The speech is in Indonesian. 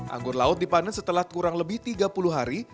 anggur laut dipanen setelah kurang lebih tiga puluh hari